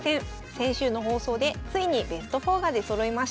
先週の放送でついにベスト４が出そろいました。